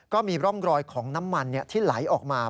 ก็มีร่องรอยของน้ำมันที่ไหลออกมา